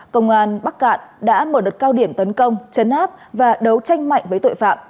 công an bắc cạn đã mở đợt cao điểm tấn công chấn áp và đấu tranh mạnh với tội phạm